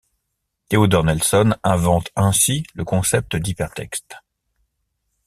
Théodore Nelson invente ainsi le concept d'hypertexte.